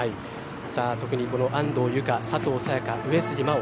特にこの安藤友香、佐藤早也伽上杉真穂